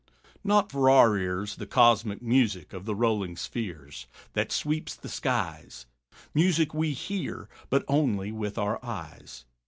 Not for our ears The cosmic music of the rolling spheres, That sweeps the skies! Music we hear, but only with our eyes.